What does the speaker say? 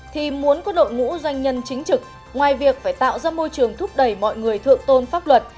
thì muốn có đội ngũ doanh nhân chính trực ngoài việc phải tạo ra môi trường thúc đẩy mọi người thượng tôn pháp luật